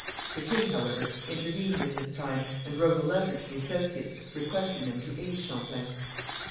The king, however, intervened at this time, and wrote a letter to the associates, requesting them to aid Champlain.